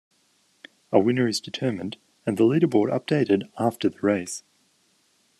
A winner is determined and the leaderboard updated after the race.